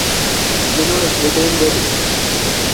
جناز گہ ٹئم رل این۔